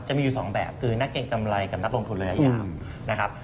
จะมีอยู่๒แบบคือนักเก่งกำไรกับนักลงทุนระยะ